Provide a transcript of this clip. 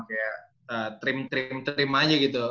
kayak trim trim trem aja gitu